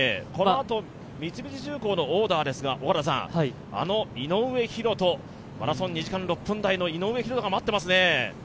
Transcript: このあと三菱重工のオーダーですが、井上大仁マラソン２時間６分台の井上大仁が待っていますね。